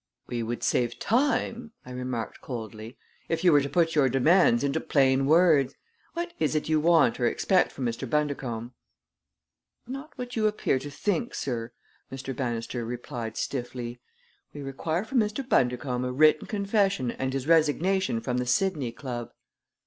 "We would save time," I remarked coldly, "if you were to put your demands into plain words. What is it you want or expect from Mr. Bundercombe?" "Not what you appear to think, sir," Captain Bannister replied stiffly. "We require from Mr. Bundercombe a written confession and his resignation from the Sidney Club."